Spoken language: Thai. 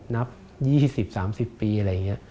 นับ๒๐๓๐ปีอะไรอย่างนี้